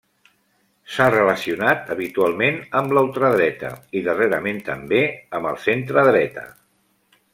S'ha relacionat habitualment amb la ultradreta i darrerament també amb el centredreta.